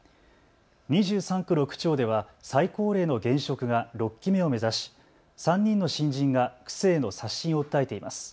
２３区の区長では最高齢の現職が６期目を目指し、３人の新人が区政の刷新を訴えています。